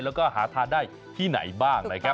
แล้วก็หาทานได้ที่ไหนบ้างนะครับ